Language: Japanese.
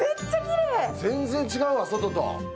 全然違うわ、外と。